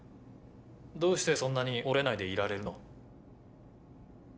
どうしてそんなに折れないでいられるの？